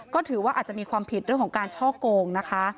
ก็ถือว่าอาจจะมีความผิดเรื่องของการช่อโกงนะคะ